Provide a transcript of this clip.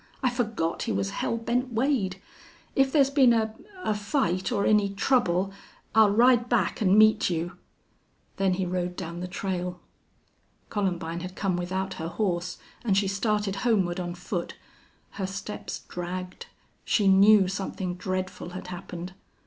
I forgot he was Hell Bent Wade! If there's been a a fight or any trouble I'll ride back and meet you." Then he rode down the trail. Columbine had come without her horse, and she started homeward on foot. Her steps dragged. She knew something dreadful had happened.